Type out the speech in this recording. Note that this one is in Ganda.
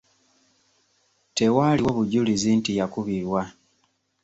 Tewaaliwo bujulizi nti yakubibwa.